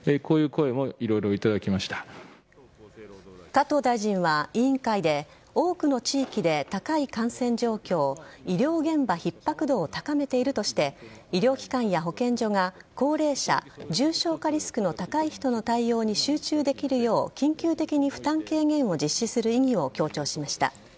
加藤大臣は委員会で多くの地域で高い感染状況医療現場ひっ迫度を高めているとして医療機関や保健所が高齢者、重症化リスクの高い人の対応に集中できるよう緊急的に負担軽減を実施する意義を強調しました。